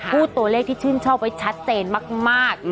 พูดตัวเลขที่ชื่นชอบไว้ชัดเจนมาก